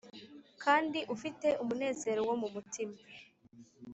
kandi ufite umunezero+ wo mu mutima,